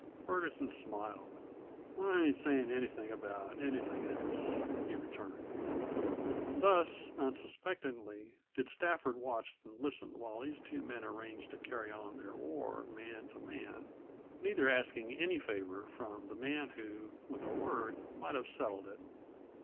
Ferguson smiled. "I ain't sayin' anything about anything else," he returned. Thus, unsuspectingly, did Stafford watch and listen while these two men arranged to carry on their war man to man, neither asking any favor from the man who, with a word, might have settled it.